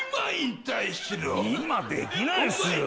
今できないっすよ。